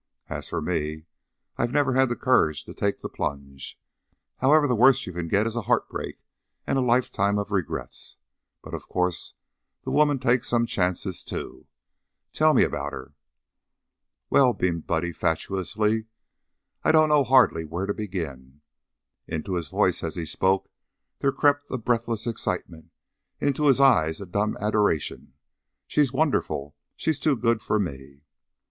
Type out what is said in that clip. As for me, I've never had the courage to take the plunge. However, the worst you can get is a heartbreak and a lifetime of regrets. But, of course, the woman takes some chances, too. Tell me about her." "Well " Buddy beamed fatuously. "I dunno hardly where to begin." Into his voice, as he spoke, there crept a breathless excitement, into his eyes a dumb adoration. "She's wonderful! She's too good for me."